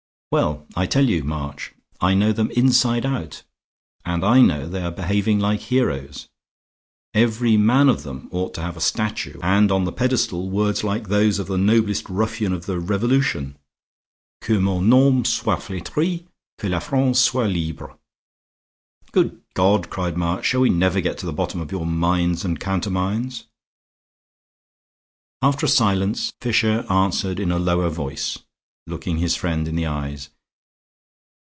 Well, I tell you, March, I know them inside out; and I know they are behaving like heroes. Every man of them ought to have a statue, and on the pedestal words like those of the noblest ruffian of the Revolution: 'Que mon nom soit fletri; que la France soit libre.'" "Good God!" cried March, "shall we never get to the bottom of your mines and countermines?" After a silence Fisher answered in a lower voice, looking his friend in the eyes.